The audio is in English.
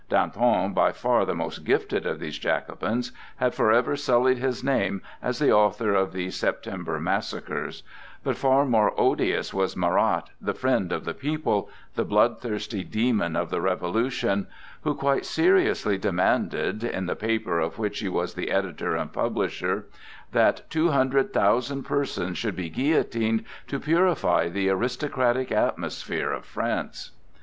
Danton, by far the most gifted of these Jacobins, had forever sullied his name as the author of the "September Massacres"; but far more odious was Marat, "the friend of the people," the blood thirsty demon of the Revolution, who quite seriously demanded, in the paper of which he was the editor and publisher, that two hundred thousand persons should be guillotined to purify the aristocratic atmosphere of France.